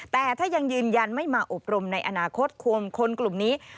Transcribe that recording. แต่ถ้ายังยืนยันไม่มาอบรมในอนาคตคนกลุ่มนี้